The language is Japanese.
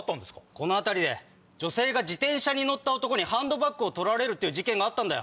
この辺りで女性が自転車に乗った男にハンドバッグを取られるっていう事件があったんだよ。